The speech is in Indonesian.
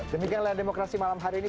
demikian layar demokrasi malam hari ini